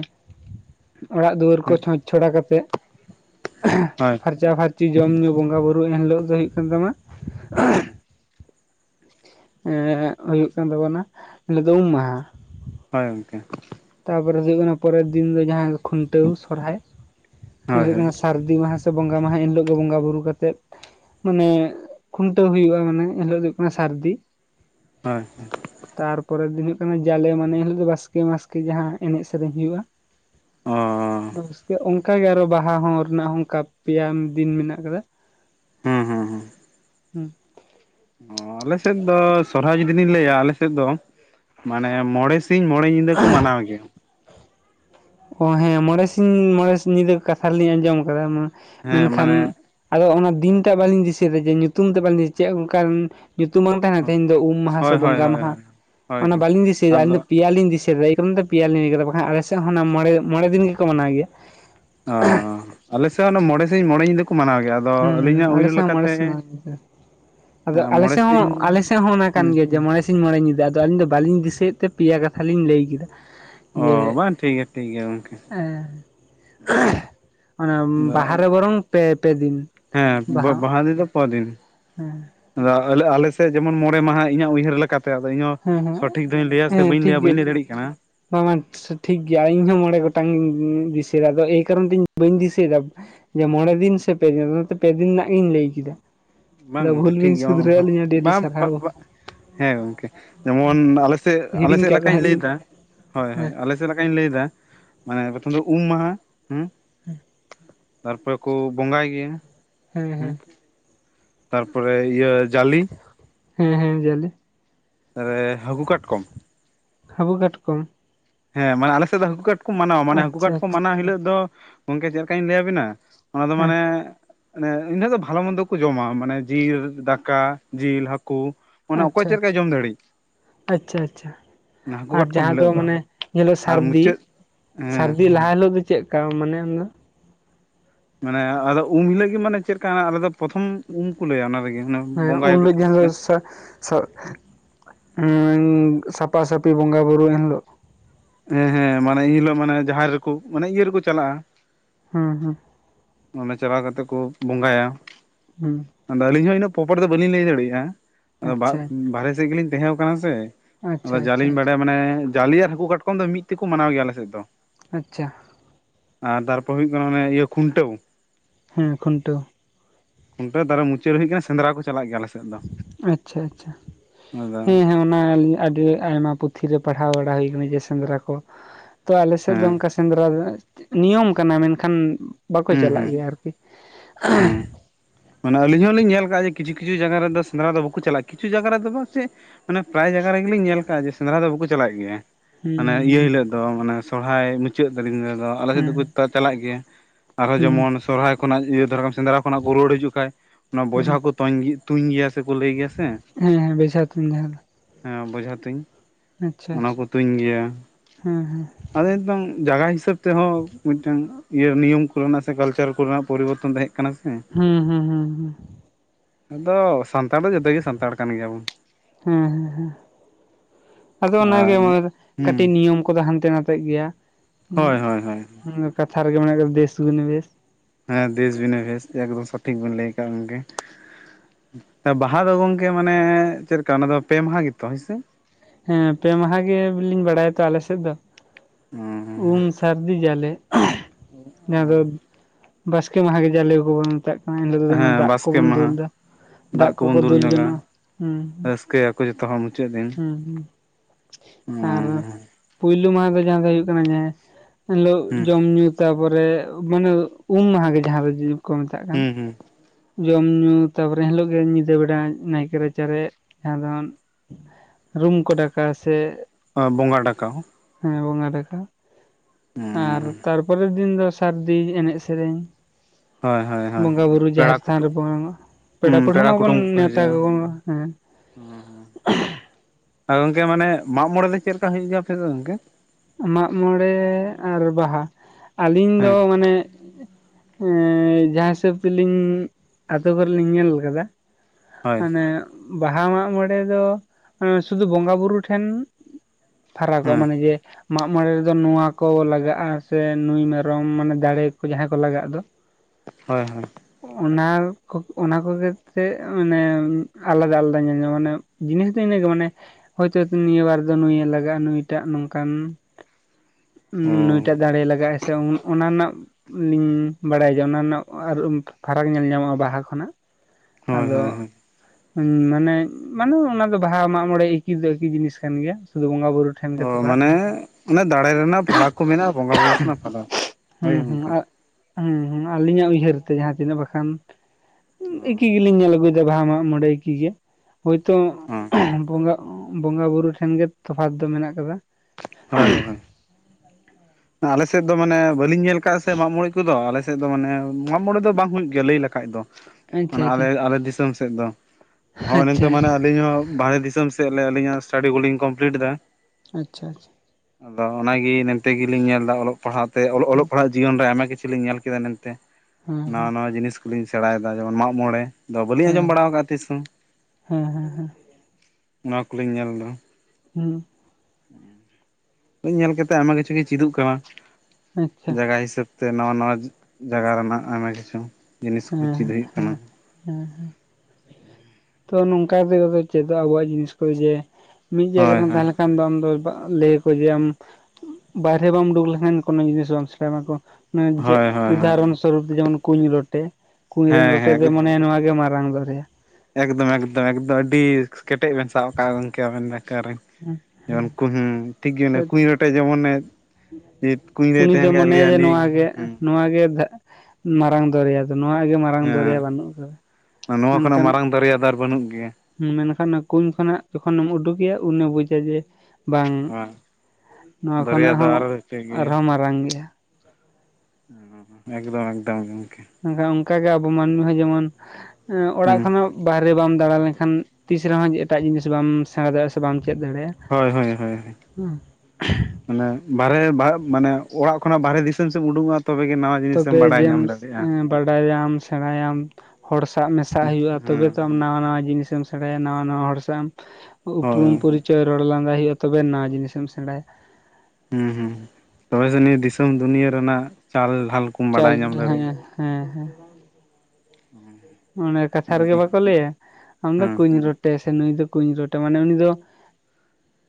ᱚᱲᱟᱜ ᱫᱩᱣᱟᱹᱨ ᱠᱚ ᱪᱷᱚᱸᱪ ᱪᱷᱚᱲᱟ ᱠᱟᱛᱮᱫ ᱦᱳᱭ ᱯᱷᱟᱨᱪᱟ ᱯᱷᱟᱨᱪᱤ ᱡᱚᱢ ᱧᱩ᱾ ᱵᱚᱸᱜᱟ ᱵᱩᱨᱩ ᱮᱱ ᱦᱤᱞᱳᱜ ᱫᱚ ᱦᱳᱜ ᱠᱟᱱ ᱛᱟᱢᱟ ᱮ ᱦᱩᱭᱩᱜ ᱠᱟᱱ ᱛᱟᱵᱚᱱᱟ ᱤᱱᱦᱤᱞᱜ ᱫᱚ ᱩᱢ ᱢᱟᱦᱟ᱾ ᱦᱳᱭ ᱜᱚᱝᱠᱮ᱾ ᱛᱟᱯᱚᱨᱮ ᱫᱚ ᱦᱩᱭᱩᱜ ᱠᱟᱱᱟ ᱯᱚᱨᱮᱨ ᱫᱤᱱ ᱫᱚ ᱡᱟᱦᱟᱸ ᱠᱷᱩᱱᱴᱟᱹᱣ ᱥᱚᱨᱦᱟᱭ ᱦᱳᱭ ᱦᱩᱭᱩᱜ ᱦᱳᱭ ᱠᱟᱱᱟ ᱥᱟᱹᱨᱫᱤ ᱢᱟᱦᱟ ᱥᱮ ᱵᱚᱸᱜᱟ ᱢᱟᱦᱟ ᱮᱱ ᱦᱤᱞᱳᱜ ᱜᱮ ᱵᱚᱸᱜᱟ ᱵᱩᱨᱩ ᱠᱟᱛᱮᱫ ᱢᱟᱱᱮ ᱠᱷᱩᱱᱴᱟᱹᱣ ᱦᱩᱭᱩᱜᱼᱟ ᱢᱟᱱᱮ ᱮᱱᱦᱤᱞᱳᱜ ᱫᱚ ᱦᱩᱭᱩᱜ ᱠᱟᱱᱟ ᱥᱟᱹᱨᱫᱤ ᱦᱮᱸ ᱦᱮᱸ ᱛᱟᱨᱯᱚᱨᱮᱨ ᱫᱤᱱ ᱦᱩᱭᱩᱜ ᱠᱟᱱᱟ ᱡᱟᱞᱮ ᱢᱟᱱᱮ ᱮᱱᱦᱤᱞᱳᱜ ᱫᱚ ᱵᱟᱥᱠᱮ ᱢᱟᱥᱠᱮ ᱡᱟᱦᱟᱸ ᱮᱱᱮᱡ ᱥᱮᱨᱮᱧ ᱦᱩᱭᱩᱜᱼᱟ ᱚ [INAUDIBLE] ᱱᱠᱟ ᱜᱮ ᱟᱨᱚ ᱵᱟᱦᱟ ᱦᱚᱸ ᱨᱮᱱᱟᱜ ᱦᱚᱸ ᱚᱱᱠᱟ ᱯᱮᱭᱟ ᱫᱤᱱ ᱢᱮᱱᱟᱜ ᱟᱠᱟᱫᱟᱹ ᱦᱩᱸ ᱦᱩᱸ ᱦᱩᱸ ᱚ ᱟᱞᱮ ᱥᱮᱫ ᱫᱚ ᱥᱚᱨᱦᱟᱭ ᱡᱩᱫᱤ ᱞᱤᱧ ᱞᱟᱹᱭᱟ ᱟᱞᱮ ᱥᱮᱫ ᱫᱚ ᱢᱟᱱᱮ ᱢᱚᱬᱮ ᱥ ᱥᱤᱧ ᱢᱚᱬᱮ ᱧᱤᱫᱟᱹ ᱠᱚ ᱢᱟᱱᱟᱣ ᱜᱮᱭᱟ ᱚ ᱦᱮᱸ ᱢᱚᱬᱮ ᱥᱤᱧ ᱢᱚᱬᱮ ᱥᱤᱧ ᱧᱤᱫᱟᱹ ᱠᱟᱛᱷᱟ ᱨᱮᱞᱤᱧ ᱟᱸᱡᱚᱢ ᱟᱠᱟᱫᱟ ᱦᱮᱸ ᱢᱮᱱᱠᱷᱟᱱ ᱢᱟᱱᱮ ᱟᱫᱚ ᱚᱱᱟ ᱫᱤᱱ ᱴᱟᱜ ᱵᱟᱞᱤᱧ ᱫᱤᱥᱟᱹᱭᱫᱟ ᱡᱮ ᱧᱩᱛᱩᱢ ᱛᱮ ᱵᱟᱞᱤᱧ ᱪᱮᱫ ᱚᱱᱠ ᱧᱩᱛᱩ ᱵᱟᱝ ᱛᱟᱦᱮᱱᱟ ᱛᱮᱦᱧ ᱫᱚ ᱩᱢ ᱢᱟᱦᱟ ᱥᱮ ᱦᱳᱭ ᱦᱳᱭ ᱵᱚᱸᱜᱟ ᱦᱳᱭ ᱢᱟᱦᱟ ᱦᱳᱭ ᱦᱳᱭ ᱚᱱᱟ ᱜᱚᱝᱠᱮ ᱵᱟᱞᱤᱧ ᱫᱤᱥᱟᱹᱭᱮᱜ-ᱟ ᱟᱧ ᱫᱚ ᱟᱫᱚ ᱯᱮᱭᱟ ᱞᱤᱧ ᱫᱤᱥᱟᱹᱭᱮᱫᱟ ᱮ ᱠᱟᱨᱚᱱ ᱛᱮ ᱯᱮᱭᱟ ᱞᱟᱹᱭ ᱠᱮᱫᱟ ᱵᱟᱠᱷᱟᱱ ᱟᱞᱮ ᱥᱮᱫ ᱦᱚᱸ ᱚᱱᱟ ᱢᱚᱬᱮ ᱢᱚᱬᱮ ᱫᱤᱱ ᱜᱮᱠᱚ ᱢᱟᱱᱟᱣ ᱜᱮᱭᱟ ᱚ ᱟᱞᱮᱥᱮᱫ ᱦᱚ ᱥᱤᱧ ᱢᱚᱬᱮ ᱧᱤᱫᱟᱹ ᱠᱚ ᱢᱟᱱᱟᱣ ᱜᱮᱭᱟ ᱟᱫᱚ ᱦᱩᱸ ᱟᱹᱞᱤᱧᱟᱜ ᱟᱞᱮ ᱩᱭᱦᱟᱹᱨ ᱥᱮᱫ ᱦᱚ ᱢᱚᱲᱮ ᱞᱮᱠᱟᱛᱮ ᱥᱤᱧ ᱢᱚᱲᱮ ᱧᱤᱫᱟᱹ ᱟᱫᱚ ᱟᱞᱮ ᱢᱚᱬᱮ ᱥᱮᱫ ᱦᱚᱸ ᱥᱤᱧ ᱟᱞᱮ ᱥᱮᱫ ᱦᱚᱸ ᱚᱱᱟ ᱠᱟᱱ ᱦᱩᱸ ᱜᱮᱭᱟ ᱡᱮ ᱢᱚ ᱢᱚᱬᱮ ᱧᱤᱫᱟᱹ ᱟᱫᱚ ᱟᱹᱞᱤᱧ ᱫᱚ ᱵᱟᱹᱞᱤᱧ ᱫᱤᱥᱟᱹᱭᱮᱫ ᱛᱮ ᱯᱮᱭᱟ ᱠᱟᱛᱷᱟ ᱞᱤᱧ ᱞᱟᱹᱭ ᱠᱮᱫᱟ ᱚ ᱡᱮ ᱵᱟᱝ ᱴᱷᱤᱠ ᱜᱮᱭᱟ ᱴᱷᱤᱠ ᱜᱮᱭᱟ ᱜᱚᱝᱠᱮ ᱚᱱᱟ ᱵᱟᱦᱟ ᱨᱮ ᱵᱚᱨᱚᱝ ᱯᱮ ᱯᱮ ᱫᱤᱱ ᱦᱮᱸ ᱵᱟᱦᱟ ᱫᱤᱱ ᱫᱚ ᱯᱮ ᱫᱤᱱ ᱦᱮᱸ ᱟᱞ ᱟᱞᱮ ᱥᱮᱫ ᱡᱮᱢᱚᱱ ᱢᱚᱬᱮ ᱢᱟᱦᱟ ᱤᱧᱟᱹᱜ ᱩᱦᱟᱹᱨ ᱞᱮᱠᱟ ᱛᱮ ᱟᱫᱚ ᱤᱧ ᱦᱚᱸ ᱦᱮᱸ ᱦᱮᱸ ᱥᱚᱴᱷᱤᱠ ᱫᱚᱧ ᱞᱟᱹᱭᱟ ᱥᱮ ᱦᱮᱸ ᱵᱟᱹᱧ ᱴᱷᱤᱠ ᱞᱟᱹᱭᱟ ᱜᱮᱭᱟ ᱵᱟᱹᱧ ᱞᱟᱹᱭ ᱫᱟᱲᱮᱭᱟᱜ ᱠᱟᱱᱟ ᱵᱟᱝ ᱵᱟᱝ ᱴᱷᱤᱠ ᱜᱮᱭᱟ ᱤᱧ ᱦᱚ ᱢᱚᱬᱮ ᱜᱚᱴᱟᱝᱧ ᱫᱤᱥᱟᱹᱭᱫᱟ ᱟᱫᱚ ᱮᱭ ᱠᱟᱨᱚᱱ ᱛᱮ ᱤᱧ ᱵᱟᱹᱧ ᱫᱤᱥᱟᱹᱭ ᱫᱟ ᱡᱮ ᱢᱚᱬᱮ ᱫᱤᱱ ᱥᱮ ᱯᱮ ᱫᱤᱱ ᱚᱱᱟᱛᱮ ᱯᱮ ᱫᱤᱱ ᱨᱮᱱᱟᱜ ᱜᱤᱧ ᱞᱟᱹᱭ ᱠᱮᱫᱟ ᱵᱟᱝ ᱟᱫᱚ ᱜᱚᱝᱠᱮ ᱵᱷᱩᱞ ᱴᱷᱤᱠ ᱵᱤᱱ ᱜᱮᱭᱟ ᱥᱩᱫᱷᱨᱟᱹᱣ ᱞᱤᱧᱟ ᱟᱹᱰᱤ ᱟᱹᱰᱤ ᱵᱟᱝ ᱥᱟᱨᱦᱟᱣ ᱦᱮᱸ ᱜᱚᱝᱠᱮ ᱡᱮᱢᱚᱱ ᱟᱞᱮᱥᱮᱫ ᱦᱤᱲᱤᱧ ᱟᱞᱮᱥᱮᱫ ᱠᱟᱜ ᱞᱮᱠᱟᱧ ᱛᱟᱦᱮᱸᱫ ᱞᱟᱹᱭᱟ ᱞᱤᱧ ᱫᱟ ᱦᱳᱭ ᱦᱳᱭ ᱦᱮᱸ ᱟᱞᱮ ᱪᱮᱫ ᱞᱮᱠᱟᱧ ᱞᱟᱹᱭᱫᱟ ᱢᱟᱱᱮ ᱯᱨᱚᱛᱷᱚᱢ ᱫᱚ ᱩᱢ ᱢᱟᱦᱟ ᱦᱩᱸ ᱦᱩᱸ ᱛᱟᱨ ᱯᱚᱨᱮ ᱠᱚ ᱵᱚᱸᱜᱟᱭ ᱜᱮᱭᱟ ᱦᱮᱸ ᱦᱮᱸ ᱛᱟᱨ ᱯᱚᱨᱮ ᱤᱭᱟᱹ ᱡᱟᱞᱤ ᱦᱮᱸ ᱦᱮᱸ ᱡᱟᱞᱮ ᱨᱮ ᱦᱟᱹᱠᱩ ᱠᱟᱴᱠᱚᱢ ᱦᱟᱹᱠᱩ ᱠᱟᱴᱠᱚᱢ ᱦᱮᱸ ᱢᱟᱱᱮ ᱟᱞᱮ ᱥᱮᱫ ᱫᱚ ᱦᱟᱹᱠᱩ ᱠᱟᱴᱠᱚᱢ ᱢᱟᱱᱟᱣ ᱢᱟᱱᱮ ᱦᱟᱹᱠᱩ ᱟᱪᱪᱷᱟ ᱠᱟᱴᱠᱚᱢ ᱟᱪᱪᱷᱟ ᱢᱟᱱᱟᱣ ᱦᱤᱞᱳᱜ ᱫᱚ ᱜᱚᱝᱠᱮ ᱪᱮᱫ ᱞᱮᱠᱟᱧ ᱞᱟᱹᱭ ᱟᱵᱤᱱᱟ ᱚᱱᱟ ᱫᱚ ᱦᱮᱸ ᱢᱟᱱᱮ ᱢᱟᱱᱮ ᱤᱱᱟᱜ ᱫᱚ ᱵᱷᱟᱞᱮ ᱢᱚᱱᱫᱷᱮ ᱠᱚ ᱡᱚᱢᱟ ᱢᱟᱱᱮ ᱡᱤᱞ ᱫᱟᱠᱟ ᱡᱤᱞ ᱦᱟᱹᱠᱩ ᱚᱱᱮ ᱚᱠᱚᱭ ᱟᱪᱪᱷᱟ ᱪᱮᱫ ᱟᱪᱪᱷᱟ ᱞᱮᱠᱟᱭ ᱡᱚᱢ ᱫᱟᱲᱮᱤᱜ ᱟᱪᱪᱷᱟ ᱟᱪᱪᱷᱟ ᱚᱱᱟ ᱦᱟᱹᱠᱩ ᱠᱟᱴᱠᱚᱢ ᱦᱤᱞᱟᱹᱜ ᱫᱚ ᱧᱤᱞᱚᱜ ᱟᱨ ᱥᱟᱹᱨᱫᱤ ᱢᱩᱪᱟᱹᱫ ᱦᱮᱸ ᱥᱟᱹᱨᱫᱤ ᱞᱟᱦᱟ ᱦᱤᱞᱳᱜ ᱫᱚ ᱪᱮᱫᱠᱟ ᱢᱟᱱᱮ ᱚᱱᱟ ᱫᱚ ᱢᱟᱱᱮ ᱟᱫᱚ ᱩᱢ ᱦᱤᱞᱳᱜ ᱜᱮ ᱢᱟᱱᱮ ᱪᱮᱫ ᱞᱮᱠᱟ ᱟᱞᱮ ᱫᱚ ᱯᱨᱚᱛᱷᱚᱢ ᱩᱢ ᱠᱚ ᱞᱟᱹᱭᱟ ᱚᱱᱟ ᱨᱮᱜᱮ ᱦᱮᱸ ᱵᱚᱸᱜᱟᱭᱟᱠᱚ ᱩᱱᱞᱜ ᱛᱤᱥ ᱡᱟᱦᱟᱸ ᱫᱚ ᱦᱤᱞᱳᱜ ᱥᱟᱯᱷᱟ ᱥᱟᱹᱯᱤ ᱵᱚᱸᱜᱟ ᱵᱩᱨᱩ ᱮᱱ ᱦᱤᱞᱳᱜ ᱦᱮᱸ ᱦᱮᱸ ᱢᱟᱱᱮ ᱤᱱᱦᱤᱞᱳᱜ ᱢᱟᱱᱮ ᱡᱟᱦᱟ ᱨᱮᱠᱚ ᱢᱟᱱᱮ ᱤᱭᱟᱹ ᱨᱮᱠᱚ ᱪᱟᱞᱟᱜᱼᱟ ᱦᱩᱸ ᱦᱩᱸ ᱚᱸᱰᱮ ᱪᱟᱞᱟᱣ ᱠᱟᱛᱮᱜ ᱠᱚ ᱵᱚᱸᱜᱟᱭᱟ ᱦᱩᱸ ᱟᱫᱚ ᱟᱹᱞᱤᱧ ᱦᱚᱸ ᱩᱱᱟᱹᱜ ᱯᱚᱯᱟᱨ ᱫᱚ ᱵᱟᱹᱞᱤᱧ ᱞᱟᱹᱭ ᱫᱟᱲᱮᱭᱟᱜᱼᱟ ᱟᱫᱚ ᱟᱪᱪᱷᱟ ᱵᱟᱨᱦᱮ ᱥᱮᱫ ᱜᱮᱞᱤᱧ ᱛᱟᱦᱮᱸ ᱠᱟᱱᱟ ᱥᱮ ᱟᱪᱪᱷᱟ ᱟᱫᱚ ᱟᱪᱪᱷᱟ ᱡᱟᱞᱤᱧ ᱵᱟᱲᱟᱭᱟ ᱢᱟᱱᱮ ᱡᱟᱞᱤ ᱟᱨ ᱦᱟᱹᱠᱩ ᱠᱟᱴᱠᱚᱢ ᱫᱚ ᱢᱤᱫ ᱛᱮᱠᱚ ᱢᱟᱱᱟᱣ ᱜᱮᱭᱟ ᱟᱞᱮ ᱥᱮᱫ ᱫᱚ ᱟᱪᱪᱷᱟ ᱟᱨ ᱛᱟᱨᱯᱚᱨ ᱦᱩᱭᱩᱜ ᱠᱟᱱᱟ ᱤᱭᱟᱹ ᱠᱷᱩᱱᱴᱟᱹᱣ ᱦᱮᱸ ᱠᱷᱩᱱᱴᱟᱹᱣ ᱠᱷᱩᱱᱴᱟᱹ ᱫᱮ ᱢᱩᱪᱟᱹ ᱦᱩᱭ ᱠᱟᱱᱟ ᱥᱮᱱᱸᱨᱟ ᱠᱚ ᱪᱟᱞ ᱜᱮᱭᱟᱮ ᱟᱞᱮ ᱥᱮ ᱟᱪᱪᱷᱟ ᱟᱪᱪᱷᱟ ᱟᱫᱚ ᱦᱮᱸ ᱦᱮᱸ ᱚᱱᱟᱞᱤᱧ ᱟᱹᱰᱤ ᱟᱭᱢᱟ ᱯᱩᱛᱤᱨᱮ ᱯᱟᱲᱦᱟᱣ ᱵᱟᱲᱟ ᱦᱩᱭ ᱟᱠᱟᱱᱟ ᱡᱮ ᱥᱮᱸᱫᱽᱨᱟ ᱠᱚ ᱛᱚ ᱟᱞᱮ ᱥᱮᱫ ᱫᱚ ᱦᱮᱸ ᱚᱱᱠᱟ ᱥᱮᱸᱫᱽᱨᱟ ᱱᱤᱭᱚᱢ ᱠᱟᱱᱟ ᱢᱮᱱᱠᱷᱟᱱ ᱵᱟᱠᱚ ᱦᱩᱸ ᱦᱩᱸ ᱪᱟᱞᱟᱜ ᱜᱮᱭᱟ ᱟᱨᱠᱤ ᱦᱩᱸ ᱢᱟᱱᱮ ᱟᱞᱤᱧᱚᱸᱞᱤᱧ ᱧᱮᱞ ᱠᱟᱜᱼᱟ ᱡᱟᱜᱟ ᱠᱤᱪᱷᱩ ᱠᱤᱪᱷᱩ ᱡᱟᱭ ᱨᱮ ᱥᱮᱸᱫᱽᱨᱟ ᱫᱚ ᱵᱟᱠᱚ ᱪᱟᱞᱟᱜᱼᱟ ᱠᱪᱷᱩ ᱡᱟᱭᱜᱟ ᱨᱮᱫᱚ ᱫᱚ ᱪᱮᱫ ᱢᱟᱱᱮ ᱯᱨᱟᱭ ᱡᱟᱭᱜᱟ ᱨᱮᱜᱮᱞᱤᱧ ᱧᱮᱞ ᱟᱠᱟᱟᱜᱼᱟ ᱡᱮ ᱥᱮᱸᱫᱽᱨᱟ ᱫᱚ ᱵᱟᱠᱚ ᱪᱟᱞᱟᱜᱮᱫ ᱜᱮᱭᱟ ᱦᱩᱸ ᱢᱟᱱᱮ ᱤᱭᱟᱹ ᱦᱩᱸ ᱦᱤᱞᱳᱜ ᱫᱚ ᱢᱟᱱᱮ ᱥᱚᱨᱦᱟᱭ ᱢᱩᱪᱟᱹᱫ ᱫᱟᱹᱞᱤᱧ ᱫᱚ ᱟᱞᱮ ᱥᱮᱫ ᱦᱮᱸ ᱫᱚᱠᱚ ᱪᱟᱞᱟᱜ ᱜᱮᱭᱟ ᱟᱨᱦᱚᱸ ᱦᱮᱸ ᱡᱮᱢᱚᱱ ᱥᱚᱦᱨᱟᱭ ᱠᱷᱚᱱᱟᱜ ᱤᱭᱟᱹ ᱫᱷᱚᱨᱠᱟ ᱥᱮᱸᱫᱽᱨᱟ ᱠᱷᱚᱱᱟᱜ ᱠᱚ ᱨᱩᱣᱟᱹᱲ ᱦᱤᱡᱩᱜ ᱠᱷᱟᱱ ᱚᱱᱟ ᱵᱚᱡᱷᱟ ᱦᱮᱸ ᱠᱚ ᱛᱚᱧ [UNINTELLIGIBLE] ᱛᱩᱧ ᱜᱮᱭᱟ ᱥᱮ ᱠᱚ ᱞᱟᱹᱭ ᱜᱮᱭᱟ ᱥᱮ ᱦᱮᱸ ᱦᱮᱸ ᱵᱮᱥᱴᱡᱷᱟ ᱛᱩᱧ ᱡᱟᱦᱟ ᱫᱚ ᱦᱮᱸ ᱵᱮᱡᱷᱟ ᱛᱤᱧ ᱟᱪᱪᱷᱟ ᱟᱪᱪᱷᱟ ᱚᱱᱟᱠᱚ ᱛᱩᱧ ᱜᱮᱭᱟ ᱦᱮᱸ ᱦᱮᱸ ᱟᱫᱚ ᱱᱤᱛᱚᱝ ᱡᱟᱭᱜᱟ ᱦᱤᱥᱟᱹᱵᱽ ᱛᱮᱦᱚᱸ ᱢᱤᱫᱴᱟᱝ ᱤᱭᱟᱹ ᱱᱤᱭᱚᱢ ᱠᱚᱨᱮᱱᱟᱜ ᱥᱮ ᱠᱟᱞᱪᱟᱨ ᱠᱚᱨᱮᱱᱟᱜ ᱯᱚᱨᱤᱵᱚᱨᱛᱚᱱ ᱛᱟᱦᱮᱸ ᱠᱟᱱᱟ ᱥᱮ ᱦᱩᱸ ᱦᱩᱸ ᱦᱩᱸ ᱦᱩᱸ ᱟᱫᱚ ᱥᱟᱱᱛᱟᱲ ᱫᱚ ᱡᱩᱫᱚ ᱜᱮ ᱥᱟᱱᱛᱟᱲ ᱠᱟᱱ ᱜᱮᱭᱟᱵᱚᱱ ᱦᱮᱸ ᱦᱮᱸ ᱦᱮᱸ ᱟᱫᱚ ᱚᱱᱟᱜᱮ ᱟᱨ ᱦᱩᱸ ᱠᱟᱹᱴᱤᱡ ᱱᱤᱭᱚᱢ ᱠᱚᱫᱚ ᱦᱟᱱᱛᱮ ᱱᱟᱛᱮ ᱜᱮᱭᱟ ᱦᱳᱭ ᱦᱳᱭ ᱦᱳᱭ ᱦᱩᱸ ᱠᱟᱛᱷᱟ ᱨᱮᱜᱮ ᱠᱚ ᱢᱮᱱ ᱫᱮᱥ ᱜᱩᱱ ᱵᱮᱥ ᱦᱮᱸ ᱫᱮᱥ ᱵᱤᱱᱟᱹ ᱵᱮᱥ ᱮᱠᱫᱚᱢ ᱥᱚᱴᱷᱤᱠ ᱵᱤᱱ ᱞᱟᱹᱭ ᱠᱫ ᱜᱚᱢᱠᱮ ᱵᱟᱦᱟᱸ ᱫᱚ ᱜᱚᱝᱠᱮ ᱢᱟᱱᱮ ᱪᱮᱫᱞᱮᱠᱟ ᱚᱱᱟ ᱫᱚ ᱯᱮ ᱢᱟᱦᱟ ᱜᱮᱛᱚ ᱦᱮᱸ ᱥᱮ ᱦᱮᱸ ᱯᱮ ᱢᱟᱦᱟ ᱜᱮᱞᱤᱧ ᱵᱟᱲᱟᱭᱟ ᱛᱚ ᱟᱞᱮᱥᱮᱫ ᱫᱚ ᱩᱢ ᱥᱟᱹᱨᱫᱤ ᱡᱟᱞᱮ ᱡᱟᱦᱟᱸ ᱫᱚ ᱵᱟᱥᱠᱮ ᱢᱟᱦᱟ ᱜᱮ ᱡᱟᱞᱤ ᱦᱚ ᱵᱚᱱ ᱢᱮᱛᱟᱜ ᱠᱟᱱ ᱮᱱᱦᱤᱞᱳᱜ ᱫᱚ ᱦᱮᱸ ᱫᱟᱜ ᱵᱟᱥᱠᱮ ᱠᱚᱵᱚᱱ ᱢᱟᱦᱟ ᱫᱩᱞᱫᱟ ᱫᱟᱜ ᱠᱚᱠᱚ ᱫᱩᱞ ᱡᱮᱱᱚᱼᱟ ᱦᱮᱸ ᱠᱮ ᱭᱟᱠᱚ ᱡᱚᱛᱚ ᱢᱩᱪᱟᱹᱫ ᱫᱤᱱ ᱦᱩᱸᱟᱨ ᱦᱩᱸ ᱯᱩᱭᱞᱩ ᱢᱟᱦᱟ ᱫᱚ ᱡᱟᱦᱟᱸ ᱫᱚ ᱦᱩᱭᱩᱜ ᱠᱟᱱᱟ ᱮᱱᱟᱹᱦᱤᱞᱳᱜ ᱡᱚᱢ ᱧᱩ ᱛᱟᱨᱯᱚᱨᱮ ᱢᱟᱱᱮ ᱩᱢ ᱢᱟᱦᱟ ᱜᱮ ᱡᱟᱦᱟᱸ ᱫᱚ ᱠᱚ ᱢᱮᱛᱟᱜ ᱠᱟᱱ ᱦᱩᱸ ᱦᱩᱸ ᱡᱚᱢ ᱧᱩ ᱛᱟᱨᱯᱚᱨᱮ ᱤᱱᱟᱹᱦᱤᱞᱳᱜ ᱜᱮ ᱧᱤᱫᱟᱹ ᱵᱮᱲᱟ ᱱᱟᱭᱠᱮ ᱨᱟᱪᱟᱨᱮ ᱡᱟᱦᱟᱸ ᱫᱚ ᱨᱩᱢ ᱠᱚ ᱰᱟᱠᱟᱣ ᱥᱮ ᱵᱚᱸᱜᱟ ᱰᱟᱠᱟᱣ ᱦᱮᱸ ᱵᱚᱸᱜᱟ ᱰᱟᱠᱟᱣ ᱟᱨ ᱛᱟᱨᱯᱚᱨᱮᱨ ᱫᱤᱱ ᱫᱚ ᱥᱟᱹᱨᱫᱤ ᱮᱱᱮᱡ ᱥᱮᱨᱮᱧ ᱦᱳᱭ ᱦᱳᱭ ᱦᱳᱭ ᱵᱚᱸᱜᱟ ᱵᱩᱨᱩ ᱯᱮᱲᱟ ᱡᱟᱦᱮᱨ ᱛᱷᱟᱱ ᱠᱩᱴᱩ ᱨᱮᱵᱚᱱ ᱯᱮᱲᱟ ᱯᱟᱹᱲᱦᱟᱹ ᱢᱟᱵᱚᱱ ᱱᱮᱶᱛᱟ ᱠᱟᱠᱚᱣᱟ ᱦᱮᱸ ᱦᱮᱸ ᱦᱮᱸ [UNINTELLIGIBLE] ᱟ ᱜᱚᱝᱠᱮ ᱢᱟᱱᱮ ᱢᱟᱜ ᱢᱚᱬᱮ ᱫᱚ ᱪᱮᱫ ᱞᱮᱠᱟ ᱦᱩᱭᱩᱜ ᱜᱮᱭᱟ ᱟᱯᱮ ᱫᱚ ᱜᱚᱝᱠᱮ ᱢᱟᱜ ᱢᱚᱬᱮ ᱟᱨ ᱵᱟᱦᱟ ᱟᱹᱞᱤᱧ ᱫᱚ ᱦᱮᱸ ᱢᱟᱱᱮ ᱡᱟᱦᱟᱸ ᱦᱤᱥᱟᱹᱵ ᱛᱮᱞᱤᱧ ᱟᱛᱩ ᱠᱚᱨᱮ ᱞᱤᱧ ᱧᱮᱞ ᱟᱠᱟᱫᱟ ᱦᱳᱭ ᱢᱟᱱᱮ ᱵᱟᱦᱟ ᱢᱟᱜ ᱢᱚᱬᱮ ᱫᱚ ᱥᱩᱫᱷᱩ ᱵᱚᱸᱜᱟ ᱵᱩᱨᱩ ᱴᱷᱮᱱ ᱯᱷᱟᱨᱟᱠᱚᱜᱼᱟ ᱦᱮᱸ ᱢᱟᱱᱮ ᱡᱮ ᱢᱟᱜ ᱢᱚᱬᱮ ᱨᱮᱫᱚ ᱱᱚᱣᱟ ᱠᱚ ᱞᱟᱜᱟᱜᱼᱟ ᱥᱮ ᱱᱩᱭ ᱢᱮᱨᱚᱢ ᱢᱟᱱᱮ ᱫᱟᱨᱮ ᱠᱚ ᱡᱟᱦᱟᱸᱭ ᱠᱚ ᱞᱟᱜᱟᱜᱼᱟ ᱫᱚ ᱦᱚᱭ ᱦᱚᱭ ᱚᱱᱟ ᱠᱚ ᱚᱱᱟ ᱠᱚᱜᱮ ᱛᱮ ᱢᱟᱱᱮ ᱟᱞᱟᱫᱟ ᱟᱞᱟᱫᱟ ᱧᱮᱞ ᱧᱟᱢᱚᱜ ᱢᱟᱱᱮ ᱡᱤᱱᱤᱥ ᱫᱚ ᱤᱱᱟᱹᱜᱮ ᱢᱟᱱᱮ ᱦᱚᱭᱛᱳ ᱱᱤᱭᱟᱹ ᱵᱟᱨ ᱫᱚ ᱱᱩᱭᱮ ᱞᱟᱜᱟᱜᱼᱟ ᱱᱩᱭᱴᱟᱜ ᱱᱚᱝᱠᱟᱱ ᱚ ᱱᱩᱭᱴᱟᱜ ᱫᱟᱲᱮ ᱞᱟᱜᱟᱜᱼᱟ ᱥᱮ ᱚᱱᱟ ᱨᱮᱱᱟᱜ ᱞᱤᱧ ᱵᱟᱲᱟᱭ ᱡᱟ ᱚᱱᱟ ᱨᱮᱱᱟᱜ ᱟᱨ ᱯᱷᱟᱨᱟᱠ ᱧᱮᱞ ᱧᱟᱢᱚᱜᱼᱟ ᱵᱟᱦᱟ ᱠᱷᱚᱱᱟᱜ ᱦᱳᱭ ᱟᱫᱚ ᱦᱳᱭ ᱦᱳᱭ ᱢᱟᱱᱮ ᱢᱟᱱᱮ ᱚᱱᱟ ᱫᱚ ᱵᱟᱦᱟ ᱢᱟᱜ ᱢᱚᱬᱮ ᱮᱠᱤ ᱫᱚ ᱮᱠᱤ ᱡᱤᱱᱤᱥ ᱠᱟᱱ ᱜᱮᱭᱟ ᱥᱩᱫᱩ ᱵᱚᱸᱜᱟ ᱵᱩᱨᱩ ᱴᱷᱮᱱ ᱚ ᱜᱮ ᱛᱚᱯᱷᱟᱛ ᱢᱟᱱᱮ ᱚᱱᱮ ᱫᱟᱲᱮ ᱨᱮᱱᱟᱜ ᱵᱷᱟᱲᱟ ᱠᱚ ᱢᱮᱱᱟᱜᱼᱟ ᱵᱚᱸᱜᱟ ᱵᱩᱨᱩ ᱨᱮᱱᱟᱜ ᱵᱷᱟᱲᱟ ᱦᱚᱭ ᱦᱩᱸ ᱜᱚᱝᱠᱮ ᱦᱩᱸ ᱦᱩᱸᱟᱹᱞᱤᱧᱟᱜ ᱩᱭᱦᱟᱹᱨ ᱛᱮ ᱡᱟᱦᱟᱸ ᱛᱤᱱᱟᱹᱜ ᱵᱟᱠᱷᱟᱱ ᱮᱠᱤ ᱚ ᱜᱮᱞᱤᱧ ᱧᱮᱞ ᱟᱹᱜᱩ ᱵᱟᱦᱟ ᱢᱟᱜ ᱢᱚᱬᱮ ᱦᱩᱭᱛᱚ ᱵᱚᱸᱜᱟ ᱵᱚᱸᱜᱟ ᱵᱩᱨᱩ ᱴᱷᱮᱱ ᱜᱮ ᱛᱚᱯᱷᱟᱛ ᱫᱚ ᱢᱮᱱᱟᱜ ᱟᱠᱟᱫᱟ ᱦᱮ ᱠᱟᱹ [UNINTELLIGIBLE] ᱟᱞᱮᱥᱮᱫ ᱫᱚ ᱢᱟᱱᱮ ᱵᱟᱹᱞᱤᱧ ᱧᱮᱞ ᱟᱠᱟᱫᱼᱟ ᱥᱮ ᱢᱟᱜ ᱢᱚᱬᱤ ᱠᱚᱫᱚ ᱟᱞᱮ ᱥᱮᱫ ᱫᱚ ᱢᱟᱱᱮ ᱢᱟᱜ ᱢᱚᱬᱮ ᱫᱚ ᱵᱟᱝ ᱦᱩᱭᱩᱜ ᱜᱮᱭᱟ ᱞᱟᱹᱭ ᱞᱮᱠᱷᱟᱡ ᱫᱚ ᱟᱪᱪᱷᱟ ᱚᱱᱟ ᱟᱪᱪᱷᱟ ᱟᱞᱮ ᱟᱞᱮ ᱫᱤᱥᱚᱢ ᱥᱮᱫ ᱫᱚ ᱦᱚᱸᱜᱼᱚᱭ ᱟᱪᱪᱷᱟ ᱱᱛᱮᱳ ᱢᱟᱱᱮ ᱟᱪᱪᱷᱟ ᱟᱞᱤᱧ ᱦᱚᱸ ᱵᱟᱦᱮᱨᱮ ᱫᱤᱥᱚᱢ ᱥᱮᱫ ᱪᱮᱫ ᱟᱹᱞᱤᱧᱟᱜ ᱥᱴᱟᱰᱤ ᱠᱚᱞᱤᱧ ᱠᱚᱢᱯᱞᱤᱴ ᱮᱫᱟ᱾ ᱟᱪᱪᱷᱟ ᱟᱪᱪᱷᱟ᱾ ᱟᱫᱚ ᱚᱱᱟᱜᱮ ᱱᱛᱮ ᱜᱮᱞᱤᱧ ᱧᱮᱞᱫᱟ ᱚᱞᱚᱜ ᱯᱟᱲᱦᱟᱜ- ᱚᱞᱚᱜ ᱯᱟᱲᱦᱟᱜ ᱡᱤᱭᱚᱱ ᱨᱮ ᱟᱭᱢᱟ ᱠᱤᱪᱷᱩ ᱞᱤᱧ ᱧᱮᱞ ᱠᱮᱫᱟ ᱮ ᱢᱮᱱᱛᱮ ᱦᱮᱸ ᱱᱟ ᱡᱤᱱᱤᱥ ᱞᱤᱧ ᱥᱮᱬᱟᱭᱮᱫᱟ ᱡᱮᱢᱚᱱ ᱢᱟᱜ ᱢᱚᱬᱮ ᱫᱚ ᱵᱟᱹᱞᱤᱧ ᱟᱸᱡᱚᱢ ᱦᱮᱸ ᱵᱟᱲᱟ ᱠᱟᱜᱼᱟ ᱛᱤᱥ ᱦᱚᱸ᱾ ᱦᱮᱸ ᱦᱮᱸ ᱦᱮᱸ ᱦᱮᱸ ᱚᱱᱟ ᱠᱚᱞᱤᱮᱧ ᱧᱮᱞ ᱮᱫᱟ ᱦᱩᱸ ᱧᱮᱞ ᱠᱟᱛᱮᱜ ᱟᱭᱢᱟ ᱠᱤᱪᱷᱩ ᱜᱮ ᱪᱮᱫᱚᱜ ᱠᱟᱱᱟ ᱟᱪᱪᱷᱟ ᱡᱟᱭᱜᱟ ᱦᱤᱥᱟᱹᱵ ᱛᱮ ᱱᱟᱣᱟ ᱱᱟ ᱡᱟᱭᱜᱟ ᱨᱮᱱᱟᱜ ᱟᱭᱢᱟ ᱠᱤᱪᱷᱩ ᱡᱤᱱᱤᱥ ᱠᱚ ᱦᱮᱸ ᱪᱮᱫ ᱦᱩᱭᱩᱜ ᱠᱟᱱᱟᱹ ᱾ ᱦᱮᱸ ᱦᱮᱸ ᱛᱚ ᱱᱚᱝᱠᱟ ᱛ ᱪᱮᱫᱚᱜ ᱟᱵᱚᱣᱟᱜ ᱡᱤᱱᱤᱥ ᱠᱚ ᱡᱮ ᱢᱤᱫ ᱡᱟᱭᱜᱟ ᱦᱳᱭ ᱨᱮᱢ ᱦᱳᱭ ᱛᱟᱸᱦᱞᱮ ᱠᱷᱟᱱ ᱫᱚ ᱟᱢ ᱞᱟᱹ ᱟᱠᱚ ᱡᱮ ᱟᱢ ᱵᱟᱦᱨᱮ ᱵᱟᱢ ᱩᱰᱩᱠ ᱞᱮᱠᱷᱟᱱ ᱠᱳᱱᱳ ᱡᱤᱱᱤᱥ ᱵᱟᱢ ᱥᱮᱬᱟᱭᱢᱟᱠᱚ ᱡᱮ ᱦᱳᱭ ᱦᱳᱭ ᱦᱳᱭ ᱩᱫᱟᱦᱚᱨᱚᱱ ᱥᱚᱨᱚᱨᱩᱯ ᱡᱮᱢᱚᱱ ᱠᱩᱧᱤ ᱨᱚᱴᱮ ᱠᱩᱸᱧ ᱨᱮᱱ ᱦᱮᱸ ᱨᱚᱴᱮᱡ ᱫᱚ ᱦᱮᱸ ᱢᱟᱱᱮᱭᱟ ᱱᱚᱣᱟᱣᱟᱜ ᱜᱮ ᱢᱟᱨᱟᱝ ᱫᱚᱦᱭᱟ᱾ ᱮᱠᱫᱚᱢ ᱮᱠᱫᱚᱢ ᱮᱠᱫᱚᱢ ᱟᱹᱰᱤ ᱠᱮᱴᱮᱡ ᱵᱮᱱ ᱥᱟᱵ ᱠᱟᱜᱼᱟ ᱜᱚᱢᱠᱮ ᱟᱵᱮᱱ ᱫᱟᱠᱟᱨᱮ ᱡᱮᱢᱚᱱ ᱠᱩᱦᱩᱸ ᱴᱷᱤᱠ ᱜᱮᱭᱟ ᱚᱱᱮ ᱠᱩᱸᱧᱤ ᱨᱴᱮᱡ ᱡᱮᱢᱚᱱ᱾ ᱩᱱᱤ ᱫᱚ ᱢᱚᱱᱮᱭᱟ ᱡᱮ ᱱᱤᱭᱟᱹ ᱱᱚᱣᱟᱜ ᱜᱮ ᱦᱮᱸ ᱱᱚᱣᱟᱜ ᱜᱮ ᱢᱟᱨᱟᱝ ᱫᱚᱨᱭᱟ ᱫᱚ ᱱᱚᱣᱟ ᱜᱮ ᱢᱟᱨᱟᱝ ᱫᱚᱨᱭᱟ ᱦᱮᱸ ᱵᱟᱹᱱᱩᱜ ᱠᱟᱫᱟ ᱢᱮᱱᱠᱷᱟᱱ᱾ ᱫᱟᱨᱭᱟᱫ ᱟᱨ ᱵᱟᱹᱱᱩᱜ ᱜᱮᱭᱟ᱾ ᱦᱩᱸ ᱢᱮᱱᱠᱷᱟᱱ ᱚᱱᱟ ᱠᱩᱧ ᱠᱷᱚᱱᱟᱜ ᱡᱚᱠᱷᱚᱱᱮᱢ ᱩᱰᱩᱠᱮᱭᱟ ᱩᱱᱤᱮ ᱵᱩᱡᱟ ᱡᱮ ᱵᱟᱝ ᱱᱚᱣᱟ ᱫᱚᱨᱭᱟ ᱠᱷᱚᱱᱟᱜ ᱫᱚ ᱦᱚᱸ ᱟᱨᱚ ᱦᱚᱪᱚ ᱜᱮ ᱟᱨᱦᱚᱸ ᱢᱟᱨᱟᱝ ᱜᱮᱭᱟ᱾ ᱮᱠᱫᱚᱢ ᱮᱠᱫᱚᱢ ᱜᱚᱝᱠᱮ᱾ ᱢᱮᱱᱠᱷᱟᱱ ᱚᱱᱠᱟᱜᱮ ᱟᱵᱚ ᱢᱟᱹᱱᱢᱤ ᱦᱚᱸ ᱡᱮᱢᱚᱱ ᱚᱲᱟᱜ ᱦᱮᱸ ᱠᱷᱚᱱᱟᱜ ᱵᱟᱨᱦᱨᱮ ᱵᱟᱢ ᱫᱟᱬᱟ ᱞᱮᱱᱠᱷᱟᱱ ᱛᱤᱥ ᱨᱮᱦᱚᱸ ᱮᱴᱟᱜ ᱡᱤᱱᱤᱥ ᱵᱟᱢ ᱥᱮᱬᱟ ᱫᱟᱲᱮᱭᱟᱜᱼᱟ ᱥᱮ ᱵᱟᱢ ᱪᱮᱫ ᱫᱟᱲᱮᱭᱟᱜᱼᱟ᱾ ᱦᱳᱭ ᱦᱳᱭ ᱦᱳᱭ᱾ ᱦᱮᱸ ᱢᱟᱱᱮ ᱵᱟᱨᱦᱮ ᱢᱟᱱᱮ ᱚᱲᱟᱜ ᱠᱷᱚᱱᱟᱜ ᱵᱟᱨᱦᱮ ᱫᱤᱥᱚᱢ ᱥᱮᱫ ᱩᱰᱩᱠᱚᱜᱼᱟ ᱛᱚᱵᱮ ᱱᱟᱣᱟ᱾ ᱡᱤᱱᱤᱥᱮᱢ ᱛᱚᱵᱮ ᱵᱟᱰᱟᱭ ᱡᱮᱢ ᱧᱟᱢ ᱫᱟᱲᱮᱭᱟᱜᱼᱟ ᱵᱟᱰᱟᱭᱟᱢ ᱥᱮᱬᱟᱭᱟᱢ ᱦᱚᱲ ᱥᱟᱶ ᱢᱮᱥᱟᱜ ᱦᱩᱭᱩᱜᱼᱟ ᱦᱮᱸ ᱛᱚᱵᱮ ᱛᱚ ᱟᱢ ᱱᱟᱣᱟ ᱱᱟᱣᱟ ᱡᱤᱱᱤᱥᱢ ᱥᱮᱬᱟᱭᱟ ᱱᱟᱣᱟ ᱱᱟᱣᱟ ᱦᱚᱲ ᱥᱟᱶ ᱮᱢ ᱦᱳᱭ ᱩᱯᱨᱩᱢ ᱯᱚᱨᱤᱪᱚᱭ ᱨᱚᱲ ᱞᱟᱸᱫᱟ ᱦᱩᱭᱩᱜᱼᱟ ᱛᱚᱵᱮ ᱱᱟᱣᱟ ᱡᱤᱱᱤᱥ ᱮᱢ ᱥᱮᱬᱟᱭᱟ᱾ ᱦᱩᱸ ᱦᱩᱸ ᱛᱚᱵᱮ ᱥᱮ ᱱᱤᱭᱟᱹ ᱫᱤᱥᱚᱢ ᱫᱩᱱᱤᱭᱟᱹ ᱨᱮᱱᱟᱜ ᱪᱟᱞ ᱰᱷᱟᱞ ᱠᱚᱢ ᱵᱟᱰᱟᱭ ᱪᱟᱞ ᱧᱟᱢ ᱰᱷᱟ ᱦᱮᱸ ᱫᱟᱲᱮᱭᱟᱜᱼᱟ ᱦᱮᱸ ᱦᱮᱸ᱾ ᱦᱩᱸ [UNINTELLIGIBLE] ᱚᱱᱮ ᱠᱟᱛᱷᱟ ᱨᱮᱜᱮ ᱵᱟᱠᱚ ᱞᱟᱹᱭᱟ ᱟᱢ ᱫᱚ ᱦᱮᱸ ᱠᱩᱧ ᱨᱚᱴᱮ ᱥᱮ ᱱᱩᱭ ᱫᱚ ᱠᱩᱧ ᱨᱚᱴᱮ ᱢᱟᱱᱮ ᱩᱱᱤ ᱫᱚ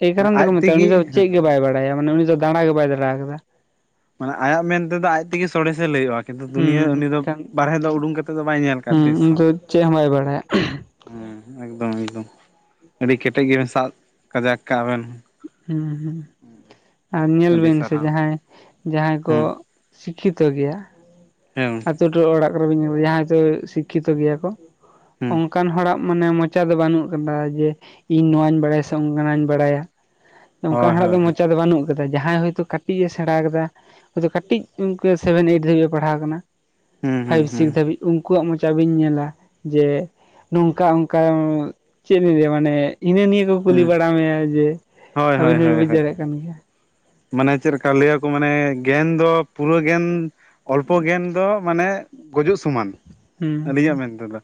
ᱮᱭ ᱠᱟᱨᱚᱱ ᱛᱮᱠᱚ ᱟᱡ ᱢᱮᱛᱟᱭᱼᱟ ᱩᱱᱤ ᱛᱮᱜᱮ ᱫᱚ ᱪᱮᱫ ᱦᱮᱸ ᱜᱮ ᱵᱟᱭ ᱵᱟᱲᱟᱭᱟ ᱢᱟᱱᱮ ᱩᱱᱤ ᱫᱚ ᱫᱟᱬᱟ ᱜᱮ ᱵᱟᱭ ᱫᱟᱬᱟ ᱟᱠᱟᱫᱟ᱾ ᱢᱟᱱᱮ ᱟᱭᱟᱜ ᱢᱮᱱᱛᱮᱫᱚ ᱟᱡ ᱛᱮᱜᱮ ᱥᱚᱨᱮᱥᱮ ᱞᱟᱹᱭᱟᱹᱜᱼᱟ᱾ ᱠᱤᱱᱛᱩ ᱦᱩᱸ ᱫᱩᱱᱭᱟᱹ ᱩᱱᱤ ᱦᱩᱸ ᱫᱚ ᱠᱷᱟᱱ ᱵᱟᱦᱨᱮ ᱫᱚ ᱩᱰᱩᱠ ᱠᱟᱛᱮᱜ ᱫᱚ ᱵᱟᱭ ᱧᱮᱞ ᱠᱟᱜᱼᱟ ᱦᱩᱸ ᱛᱤᱥ ᱩᱱᱤ ᱦᱚᱸ᱾ ᱫᱚ ᱪᱮᱫ ᱦᱚᱸ ᱵᱟᱭ ᱵᱟᱲᱟᱭᱟ ᱦᱮᱸ ᱮᱠᱫᱚᱢ ᱮᱠᱫᱚᱢ ᱟᱹᱰᱤ ᱠᱮᱴᱮᱡ ᱜᱮᱵᱮᱱ ᱥᱟᱵ ᱠᱟᱡᱟᱠ ᱠᱟᱜᱼᱟ ᱵᱮᱱ᱾ ᱦᱮ ᱦᱸ ᱟᱨ ᱧᱮᱞ ᱟᱹᱰᱤ ᱵᱤᱱ ᱥᱮ ᱥᱟᱨᱦᱟᱣ ᱡᱟᱦᱟᱸᱭ ᱡᱟᱦᱟᱸᱭ ᱠᱚ ᱦᱮᱸ ᱥᱤᱠᱷᱤᱛᱚ ᱜᱮᱭᱟ ᱦᱮᱸ [UNINTELLIGIBLE] ᱟᱛᱩ ᱴᱚᱞᱟ ᱚᱲᱟᱜ ᱠᱚᱨᱮ ᱵᱮᱱ ᱧᱮᱞ ᱠᱚᱣᱟ ᱡᱟᱦᱟᱸᱭ ᱛᱚ ᱥᱤᱠᱠᱷᱤᱛᱚ ᱜᱮᱭᱟ ᱠᱚ ᱦᱮᱸ ᱚᱱᱠᱟᱱ ᱦᱚᱲᱟᱜ- ᱢᱟᱱᱮ ᱢᱚᱪᱟ ᱫᱚ ᱵᱟᱹᱱᱩᱜ ᱟᱠᱟᱫᱟ ᱡᱮ ᱤᱧ ᱱᱚᱣᱟᱧ ᱵᱟᱲᱟᱭᱟ ᱥᱮ ᱚᱱᱠᱟᱱᱟᱜ ᱤᱧ ᱵᱟᱲᱟᱭᱟ ᱚᱱᱠᱟ ᱦᱳᱭ ᱦᱚᱲᱟᱜ ᱫᱚ ᱦᱳᱭ ᱦᱳᱭ ᱢᱚᱪᱟ ᱫᱚ ᱵᱟᱹᱱᱩᱜᱼᱟ ᱫᱟ ᱡᱟᱦᱟᱸᱭ ᱦᱳᱭᱛᱳ ᱠᱟᱹᱴᱤᱡ ᱮ ᱥᱮᱬᱟ ᱟᱠᱟᱫᱟᱭ ᱠᱟᱹᱴᱤᱡ ᱚᱠᱟᱹ ᱥᱮᱵᱷᱮᱱ ᱮᱭᱤᱴ ᱫᱷᱟᱹᱵᱤᱡ ᱮ ᱯᱟᱲᱦᱟᱣ ᱟᱠᱟᱱᱟ ᱦᱩᱸ ᱦᱩᱸ ᱯᱷᱟᱭᱤᱵᱽ ᱦᱩᱸ ᱥᱤᱠᱥ ᱫᱷᱟᱹᱵᱤᱡ ᱩᱱᱠᱩᱣᱟᱜ ᱢᱚᱪᱟ ᱵᱤᱧ ᱧᱮᱞᱟ ᱡᱮ ᱱᱚᱝᱠᱟ ᱚᱱᱠᱟ ᱪᱮᱫ ᱞᱤᱧ ᱞᱟᱹᱭᱟ ᱢᱟᱱᱮ ᱤᱱᱟᱹ ᱱᱤᱭᱟᱹ ᱠᱚ ᱠᱩᱞᱤ ᱦᱩᱸ ᱵᱟᱲᱟ ᱢᱮᱭᱟ ᱡᱮ ᱦᱳᱭ ᱦᱳᱭ ᱟᱵᱤᱱ ᱵᱤᱱ ᱦᱳᱭ ᱵᱩᱡᱽ ᱦᱳᱭ ᱫᱟᱲᱮᱭᱟᱜ ᱠᱟᱱ ᱜᱮᱭᱟ᱾ ᱢᱟᱱᱮ ᱪᱮᱞᱮᱠᱟ ᱞᱟᱹᱭᱟᱠᱚ ᱢᱟᱱᱮ ᱜᱮᱭᱟᱱ ᱫᱚ ᱯᱩᱨᱟᱹ ᱜᱮᱭᱟᱱ ᱚᱞᱯᱚ ᱜᱮᱭᱟᱱ ᱫᱚ ᱢᱟᱱᱮ ᱜᱩᱡᱩᱜ ᱥᱚᱢᱟᱱ᱾ ᱦᱩᱸ ᱟᱹᱞᱤᱧᱟᱜ ᱢᱮᱱ ᱛᱮᱫᱚ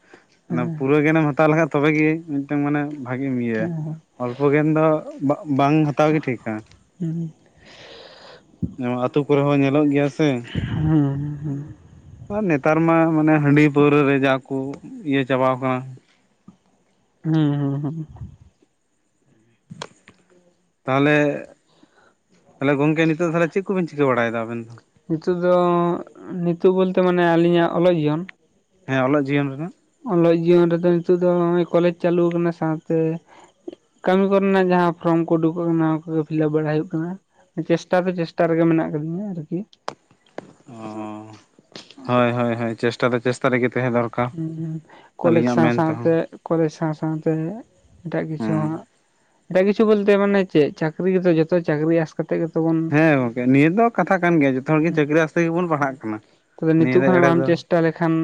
ᱚᱱᱟ ᱯᱩᱨᱟᱹ ᱜᱮᱭᱮᱱᱮᱢ ᱦᱟᱛᱟᱣ ᱞᱮᱠᱷᱟᱡ ᱛᱚᱵᱮ ᱜᱮ ᱢᱤᱫ ᱴᱟᱝ ᱢᱟᱱᱮ ᱵᱷᱟᱜᱮᱢ ᱤᱭᱟᱹᱭᱟ ᱚᱞᱯᱚ ᱜᱮᱭᱟᱱ ᱫᱚ ᱵᱟ ᱵᱟᱝ ᱦᱟᱛᱟᱣ ᱜᱮ ᱴᱷᱤᱠᱟ ᱦᱩᱸ ᱱᱚᱶᱟ ᱟᱹᱛᱩ ᱠᱚᱨᱮ ᱦᱚᱸ ᱧᱮᱞᱚᱜ ᱜᱮᱭᱟ ᱥᱮ ᱦᱩᱸ ᱦᱩᱸ ᱦᱩᱸ ᱟᱨ ᱱᱮᱛᱟᱨ ᱢᱟ ᱢᱟᱱᱮ ᱦᱟᱺᱰᱤ ᱯᱟᱹᱣᱨᱟᱹ ᱨᱮ ᱡᱟ ᱠᱚ ᱤᱭᱟᱹ ᱪᱟᱵᱟ ᱣᱟᱠᱟᱱᱟ᱾ ᱦᱩᱸ ᱦᱩᱸ ᱦᱩᱸ ᱛᱟᱦᱞᱮ ᱛᱟᱦᱞᱮ ᱜᱚᱝᱠᱮ ᱱᱤᱛᱚᱜ ᱫᱷᱟᱨᱟ ᱪᱮᱫ ᱠᱚᱵᱮᱱ ᱪᱤᱠᱟᱹ ᱵᱟᱲᱟᱭᱮᱫᱟ ᱟᱵᱮᱱ ᱫᱚ? ᱱᱤᱛᱚᱜ ᱫᱚ ᱱᱤᱛᱚᱜ ᱵᱚᱞ ᱛᱮ ᱢᱟᱱᱮ ᱟᱹᱞᱤᱧᱟᱜ ᱚᱞᱚᱜ ᱡᱤᱭᱚᱱ ᱦᱮᱸ ᱚᱞᱚᱜ ᱡᱤᱭᱚᱱ ᱨᱮᱱᱟᱜ ᱚᱞᱚᱜ ᱡᱤᱭᱚᱱ ᱨᱮᱫᱚ ᱱᱤᱛᱚᱜ ᱫᱚ ᱱᱚᱜᱼᱚᱭ ᱠᱚᱞᱮᱡᱽ ᱪᱟᱞᱩ ᱟᱠᱟᱱᱟ ᱥᱟᱶᱛᱮ ᱠᱟᱹᱢᱤ ᱠᱚ ᱨᱮᱱᱟᱜ ᱡᱟᱦᱟᱸ ᱯᱷᱨᱚᱢ ᱠᱚ ᱩᱰᱩᱠᱚᱜ ᱠᱟᱱᱟ ᱚᱱᱟ ᱠᱚ ᱜᱮ ᱯᱷᱤᱞᱟᱯ ᱵᱟᱲᱟ ᱦᱩᱭᱩᱜ ᱠᱟᱱᱟ ᱪᱮᱥᱴᱟ ᱫᱚ ᱪᱮᱥᱴᱟ ᱨᱮᱜᱮ ᱢᱮᱱᱟᱜ ᱟᱠᱟᱫᱤᱧᱟ ᱟᱨᱠᱤ ᱚᱸ ᱦᱳᱭ ᱦᱚᱭ ᱦᱚᱭ ᱪᱮᱥᱴᱟ ᱫᱚ ᱪᱮᱥᱴᱟ ᱨᱮᱜᱮ ᱛᱟᱦᱮᱸ ᱫᱚᱨᱠᱟᱨ ᱦᱩᱸ ᱦᱩᱸ ᱠᱚᱞᱮᱡᱽ ᱟᱹᱞᱤᱧᱟᱜ ᱥᱟᱶ ᱢᱮᱱ ᱛᱮᱦᱚᱸ ᱥᱟᱶᱛᱮ ᱠᱚᱞᱮᱡᱽ ᱥᱟᱶ ᱥᱟᱶᱛᱮ ᱮᱴᱟᱜ ᱠᱤᱪᱷᱩ ᱦᱮᱸ ᱦᱚᱸ ᱦᱟᱸᱜ ᱮᱴᱟᱜ ᱠᱤᱪᱩ ᱵᱚᱞ ᱛᱮ ᱢᱟᱱᱮ ᱪᱮᱫ ᱪᱟᱹᱠᱨᱤ ᱜᱮᱛᱚ ᱡᱚᱛᱚ ᱪᱟᱹᱠᱨᱤ ᱠᱟᱛᱮᱜ ᱜᱮᱛᱚ ᱵᱚᱱ ᱦᱮᱸ ᱜᱚᱝᱠᱮ ᱱᱤᱭᱟᱹ ᱫᱚ ᱠᱟᱛᱷᱟ ᱠᱟᱱ ᱜᱮᱭᱟ ᱡᱚᱛᱚ ᱦᱚᱲ ᱜᱮ ᱪᱟᱹᱠᱨᱤ ᱟᱥᱛᱮ ᱜᱮᱵᱚᱱ ᱯᱟᱲᱦᱟᱜ ᱠᱟᱱᱟ᱾ ᱛᱚᱵᱮ ᱱᱤᱭᱟᱹ ᱱᱤᱛᱚᱜ ᱫᱚ ᱠᱷᱚᱱᱟᱜ ᱮᱲᱮ ᱵᱟᱢ ᱫᱚ ᱪᱮᱥᱴᱟ ᱞᱮᱠᱷᱟᱱ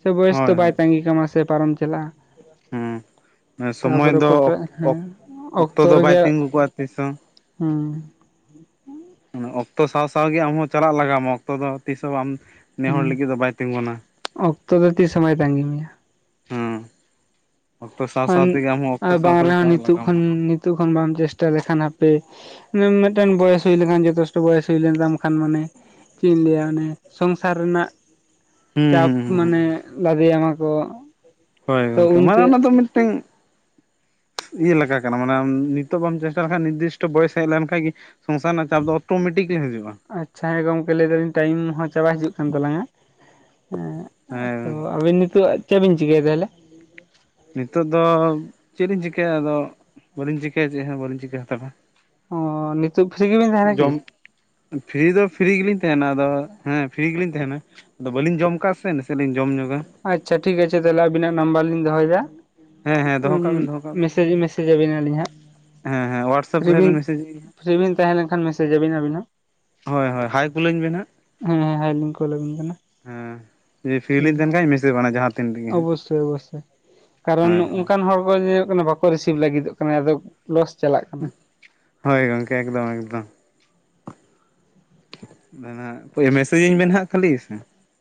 ᱥᱮ ᱵᱚᱭᱮᱥ ᱦᱳᱭ ᱫᱚ ᱵᱟᱭ ᱦᱳᱭ ᱛᱟ. ᱸᱜᱤ ᱠᱟᱢᱟ ᱥᱮ ᱯᱟᱨᱚᱢ ᱪᱟᱞᱟᱜᱼᱟ ᱦᱮᱸ ᱥᱚᱢᱚᱭ ᱛᱟᱯᱚᱨᱮ ᱫᱚ [UNINTELLIGIBLE] ᱦᱮᱸ ᱚᱠ ᱚᱠᱛᱚ ᱫᱚ ᱵᱟᱭ ᱨᱮᱜᱮ ᱛᱤᱸᱜᱩ ᱠᱚᱜᱼᱟ ᱛᱤᱥ ᱦᱚᱸ ᱦᱩᱸ ᱚᱱᱟ ᱚᱠᱛᱚ ᱥᱟᱶ ᱥᱟᱶᱜᱮ ᱟᱢᱦᱚᱸ ᱪᱟᱞᱟᱜ ᱞᱟᱜᱟᱣᱢᱟ ᱚᱠᱛᱚ ᱫᱚ ᱛᱤᱥ ᱦᱚᱸ ᱵᱟᱢ ᱱᱮ ᱦᱩᱸ ᱦᱚᱲ ᱞᱟᱹᱜᱤᱫ ᱫᱚ ᱵᱟᱭ ᱛᱤᱸᱜᱩᱱᱟ ᱚᱠᱛᱚ ᱫᱚ ᱛᱤᱥ ᱦᱚᱸ ᱵᱟᱭ ᱛᱟᱹᱸᱜᱤ ᱢᱮᱭᱟ ᱦᱩᱸ [UNINTELLIGIBLE] ᱚᱠᱛᱚ ᱟᱨ ᱵᱟᱝ ᱥᱟᱶᱛᱮ ᱨᱮᱦᱚᱸ ᱪᱟᱞᱟᱜ ᱱᱤᱛᱚᱜ ᱠᱷᱚᱱ ᱞᱟᱜᱟᱣᱟᱢᱟ ᱱᱤᱛᱚᱜ ᱠᱷᱚᱱ ᱵᱟᱢ ᱪᱮᱥᱴᱟ ᱞᱮᱠᱷᱟᱱ ᱦᱟᱯᱮ ᱢᱤᱫ ᱴᱮᱱ ᱵᱚᱭᱮᱥ ᱦᱩᱭ ᱞᱮᱱᱠᱷᱟᱱ ᱡᱮ ᱫᱚᱥ ᱴᱮᱡ ᱵᱚᱭᱮᱥ ᱦᱩᱭ ᱞᱮᱱ ᱛᱟᱢ ᱠᱷᱟᱱ ᱢᱟᱱᱮ ᱪᱮᱫ ᱤᱧ ᱞᱟᱹᱭᱟ ᱚᱱᱮ ᱥᱚᱝᱥᱟᱨ ᱨᱮᱱᱟᱜ ᱦᱩᱸ ᱪᱟᱯ ᱦᱩᱸ ᱦᱩᱸ ᱢᱟᱱᱮ ᱞᱟᱫᱮᱭᱟᱢᱟᱠᱚ᱾ ᱦᱟᱭ ᱛᱚ ᱜᱚᱝᱠᱮ ᱢᱟᱱᱮ ᱩᱱᱛᱮ ᱚᱱᱟ ᱫᱚ ᱢᱤᱫ ᱴᱮᱱ ᱤᱭᱟᱹ ᱞᱮᱠᱟ ᱠᱟᱱᱟ ᱢᱟᱱᱮ ᱱᱤᱛᱚᱜ ᱵᱟᱢ ᱪᱮᱥᱴᱟ ᱞᱮᱠᱷᱟᱱ ᱱᱤᱨᱫᱤᱥᱴᱚ ᱵᱚᱭᱮᱥ ᱦᱮᱡ ᱞᱮᱱ ᱠᱷᱟᱡ ᱜᱮ ᱥᱚᱝᱥᱟᱨ ᱨᱮᱱᱟᱜ ᱪᱟᱯ ᱫᱚ ᱚᱴᱟᱢᱮᱴᱤᱠᱞᱤ ᱦᱤᱡᱩᱜᱼᱟ ᱟᱪᱷᱟ ᱦᱮᱸ ᱜᱚᱝᱠᱮ ᱞᱟᱹᱭ ᱮᱫᱟᱞᱤᱧ ᱴᱟᱭᱤᱢ ᱦᱚᱸ ᱪᱟᱵᱟ ᱦᱤᱡᱩᱜ ᱠᱟᱱ ᱛᱟᱞᱟᱝᱼᱟ ᱦᱮᱸ ᱟ ᱦᱮᱸ ᱛᱚ ᱟᱵᱤᱱ ᱱᱤᱛᱚᱜ ᱪᱮᱫ ᱵᱤᱱ ᱪᱤᱠᱟᱹᱭᱮᱫᱟ ᱛᱟᱦᱞᱮ? ᱱᱤᱛᱚᱜ ᱫᱚ ᱪᱮᱫ ᱞᱤᱧ ᱪᱤᱠᱟᱹᱭᱟ ᱟᱫᱚ ᱵᱟᱹᱞᱤᱧ ᱪᱤᱠᱟᱹᱭᱟ ᱪᱮᱫ ᱦᱚᱸ ᱵᱟᱹᱞᱤᱧ ᱪᱤᱠᱟᱹ ᱦᱟᱛᱟᱲᱟ᱾ ᱚᱸ ᱱᱤᱛᱚᱜ ᱯᱷᱤᱨᱤ ᱜᱮᱵᱤᱱ ᱛᱟᱦᱮᱱᱟ ᱠᱤ? ᱡᱚᱢ ᱯᱷᱤᱨᱤ ᱫᱚ ᱯᱷᱤᱨᱤ ᱜᱮᱞᱤᱧ ᱛᱟᱦᱮᱱᱟ ᱟᱫᱚ ᱦᱮᱸ ᱯᱷᱤᱨᱤ ᱜᱮᱞᱤᱧ ᱛᱟᱦᱮᱱᱟ᱾ ᱟᱫᱚ ᱵᱟᱹᱞᱤᱧ ᱡᱚᱢ ᱟᱠᱟᱜᱼᱟ ᱥᱮ ᱱᱟᱥᱮ ᱞᱤᱧ ᱡᱚᱢ ᱧᱚᱜᱟ᱾ ᱟᱪᱷᱟ ᱴᱷᱤᱠ ᱟᱪᱷᱟ ᱫᱮᱞᱟ ᱟᱵᱤᱱᱟᱜ ᱱᱟᱢᱵᱟᱨ ᱞᱤᱧ ᱫᱚᱦᱚ ᱭᱮᱫᱟ᱾ ᱦᱮᱸ ᱦᱮᱸ ᱫᱚᱦᱚ ᱦᱩᱸ ᱦᱩᱸ ᱠᱟᱜ ᱵᱮᱱ ᱫᱚᱦᱚ ᱠᱟᱜ ᱵᱮᱱ ᱢᱮᱥᱮᱡ ᱢᱮᱥᱮᱡ ᱟᱹᱵᱤᱱᱟᱞᱤᱧ ᱦᱟᱸᱜ᱾ ᱦᱮᱸ ᱦᱮᱸ ᱣᱟᱴᱥᱟᱯ ᱯᱷᱤᱨᱤ ᱨᱮ ᱦᱟᱜ ᱵᱤᱱ ᱵᱮᱱ ᱢᱮᱥᱮᱡᱽ ᱤᱧᱟ ᱯᱷᱤᱨᱤ ᱵᱮᱱ ᱛᱟᱦᱮᱸ ᱞᱮᱱᱠᱷᱟᱱ ᱢᱮᱥᱮᱡᱽ ᱟᱵᱤᱱ ᱟᱹᱵᱤᱱ ᱦᱚᱸ ᱦᱳᱭ ᱦᱳᱭ ᱦᱟᱭ ᱠᱩᱞᱟᱹᱧ ᱵᱮᱱ ᱦᱟᱸᱜ ᱦᱮᱸ ᱦᱮᱸ ᱦᱟᱭ ᱞᱤᱧ ᱠᱩᱞ ᱟᱹᱵᱤᱱ ᱠᱟᱱᱟ ᱦᱮᱸ ᱯᱷᱤᱨᱤ ᱯᱷᱤᱨᱤ ᱞᱤᱧ ᱛᱟᱦᱮᱱ ᱠᱷᱟᱡ ᱢᱮᱥᱮᱡᱽ [UNINTELLIGIBLE] ᱵᱟᱝ ᱡᱟᱦᱟᱸ ᱛᱤᱱ ᱨᱮᱜᱮ ᱦᱟᱸᱜ ᱚᱵᱚᱥᱳᱭ ᱚᱵᱚᱥᱳᱭ ᱦᱳᱭ ᱠᱟᱨᱚᱱᱚᱜ ᱦᱳᱭ ᱚᱱᱠᱟᱱ ᱦᱚᱲ ᱠᱚ ᱡᱤᱣᱮᱫᱚᱜ ᱠᱟᱱᱟ ᱵᱟᱠᱚ ᱨᱤᱥᱤᱵᱷ ᱞᱟᱹᱜᱤᱫᱚᱜ ᱠᱟᱱᱟ ᱟᱫᱚ ᱞᱚᱥ ᱪᱟᱞᱟᱜ ᱠᱟᱱᱟ᱾ ᱦᱚᱭ ᱜᱚᱝᱠᱮ ᱮᱠᱫᱚᱢ ᱮᱠᱫᱚᱢ ᱢᱮᱥᱟᱜ [UNINTELLIGIBLE] ᱢᱮᱥᱮᱡᱽᱤᱧ ᱵᱮᱱ ᱦᱟᱸᱜ ᱠᱷᱟᱹᱞᱤ ᱥᱮ